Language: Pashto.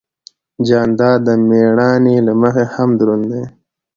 جانداد د مېړانې له مخې هم دروند دی.